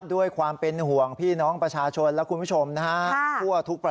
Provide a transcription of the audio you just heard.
ด้วยความเป็นห่วงพี่น้องประชาชนและคุณผู้ชมนะฮะ